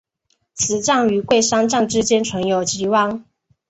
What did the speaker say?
此站与桂山站之间存有急弯。